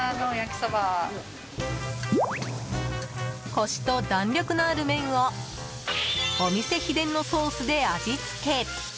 コシと弾力のある麺をお店秘伝のソースで味付け。